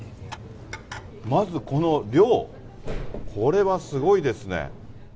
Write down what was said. まずこの量、これはすごいですね。